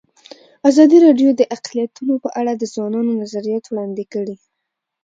ازادي راډیو د اقلیتونه په اړه د ځوانانو نظریات وړاندې کړي.